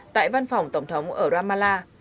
tại văn phòng tổng thống ở ramallah